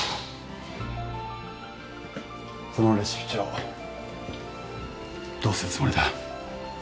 そのレシピ帳どうするつもりだ？